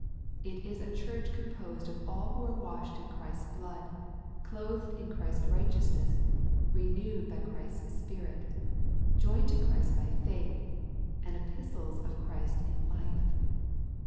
It is a church composed of all who are washed in Christ's bloody clothed in Christ's right eousness, renewed by Christ's Spirit, joined to Christ by faith, and epistles of Christ in life.